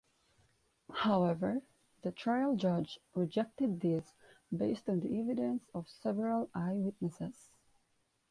However the trial judge rejected this based on the evidence of several eyewitnesses.